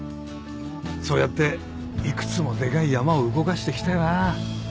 そうやって幾つもでかいヤマを動かしてきたよなぁ。